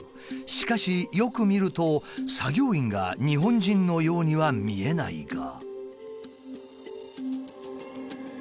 しかしよく見ると作業員が日本人のようには見えないが。